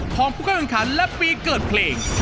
ของพวกเกิดขันและปีเกิดเพลง